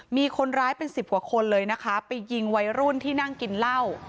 มีคนร้ายเป็นสิบกว่าคนเลยนะคะไปยิงวัยรุ่นที่นั่งกินเหล้า